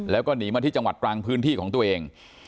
แล้วก็หนีมาที่จังหวัดตรังพื้นที่ของตัวเอง